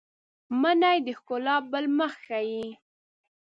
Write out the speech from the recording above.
منی د ښکلا بل مخ ښيي